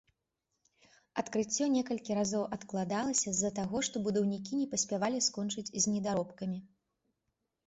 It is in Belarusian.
Адкрыццё некалькі разоў адкладалася з-за таго, што будаўнікі не паспявалі скончыць з недаробкамі.